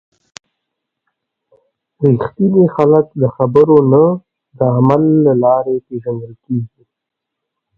رښتیني خلک د خبرو نه، د عمل له لارې پیژندل کېږي.